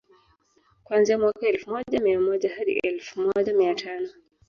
kuanzia mwaka elfu moja mia moja hadi elfu moja mia tano